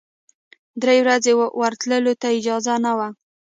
درې ورځې ورتللو ته اجازه نه وه.